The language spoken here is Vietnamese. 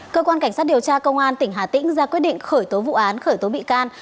cơ quan cảnh sát điều tra công an tỉnh hà tĩnh ra quyết định khởi tố vụ án khởi tố bị can